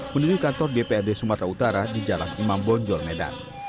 menuju kantor dprd sumatera utara di jalan imam bonjol medan